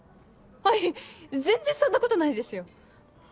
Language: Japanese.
あっいえ全然そんな事ないですよ。